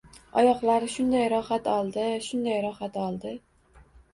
Oyoqlari shunday rohat oldi, shunday rohat oldi!